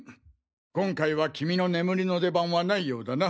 今回は君の眠りの出番はないようだな。